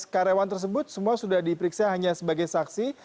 ya dari empat belas karyawan tersebut semua sudah diperiksa hanya sebagai saksi